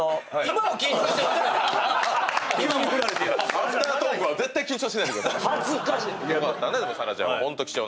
アフタートークは絶対緊張しないでください。